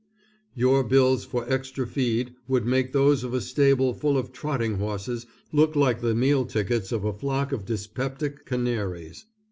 Your bills for extra feed, would make those of a stable full of trotting horses look like the meal tickets of a flock of dyspeptic canaries.